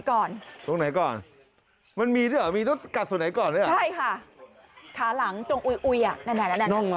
พอสุกเสร็จปุ๊บพี่รู้ไหมว่าต้องกัดส่วนไหนก่อน